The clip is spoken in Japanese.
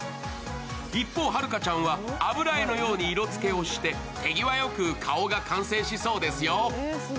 一方、遥ちゃんは油絵のように色付けをして、手際よく顔が完成しそうですよ。